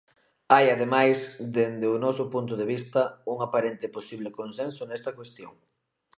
Hai, ademais, dende o noso punto de vista, un aparente posible consenso nesta cuestión.